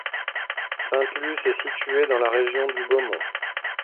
Sainte-Luce est située dans la région du Beaumont.